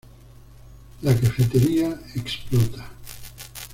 La cafetería explota.